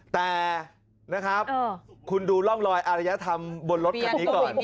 แต่นะครับคุณดูร่องรอยอารยธรรมบนรถคันนี้ก่อน